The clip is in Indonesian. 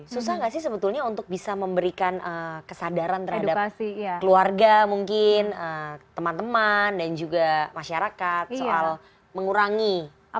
susah nggak sih sebetulnya untuk bisa memberikan kesadaran terhadap keluarga mungkin teman teman dan juga masyarakat soal mengurangi